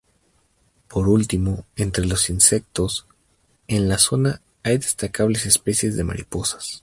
Por último, entre los insectos, en la zona hay destacables especies de mariposas.